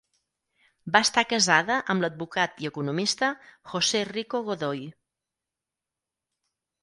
Va estar casada amb l'advocat i economista José Rico Godoy.